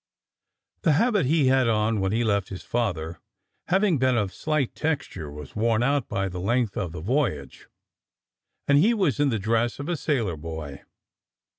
The habit he had on when he left his father, having been of slight texture, was worn out by the length of the voyage, and he was in the dress of a sailor boy.